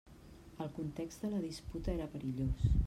El context de la disputa era perillós.